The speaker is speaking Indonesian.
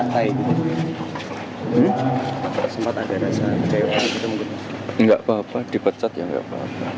tidak apa apa dipecat ya tidak apa apa